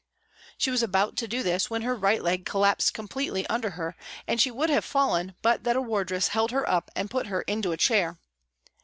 She was about to do this when her right leg collapsed completely under her and she would have 12 116 PRISONS AND PRISONERS fallen, but that a wardress held her up and put her into a chair.